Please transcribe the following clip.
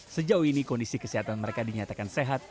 sejauh ini kondisi kesehatan mereka dinyatakan sehat